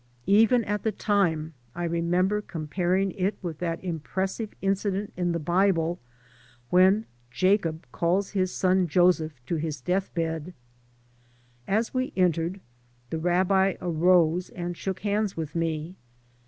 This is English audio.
Even at the time I remember comparing it with that impressive inci dent in the Bible when Jacob calls his son Joseph to his death bed. As we entered the rabbi arose and shook hands with me.